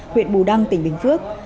huyện bù đăng tỉnh bình phước